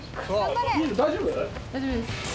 大丈夫です。